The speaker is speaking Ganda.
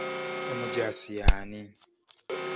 Omujaasi y'ani?